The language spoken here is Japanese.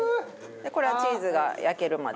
これはチーズが焼けるまで。